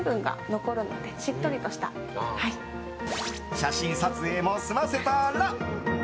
写真撮影も済ませたら。